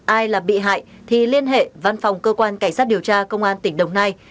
ai là bị hại thì liên hệ văn phòng cơ quan cảnh sát điều tra công an tỉnh đồng nai